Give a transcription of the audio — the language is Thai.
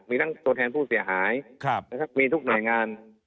มีทั้งตัวแทนผู้เสียหายมีทุกหน่วยงาน